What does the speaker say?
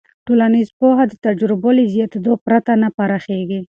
ټولنیز پوهه د تجربو له زیاتېدو پرته نه پراخېږي.